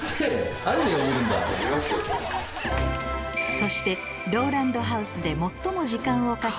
そしてＲＯＬＡＮＤハウスで最も時間をかけ